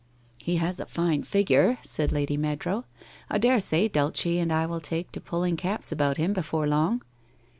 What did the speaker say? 1 He has a fine figure,' said Lady Meadrow. ' I dare say Dulce and I will take to pulling caps about him before long.'